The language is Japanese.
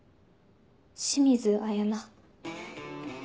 清水彩菜。